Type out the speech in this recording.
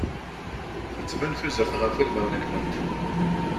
Tettban tuzert ɣef udmawen-nkent.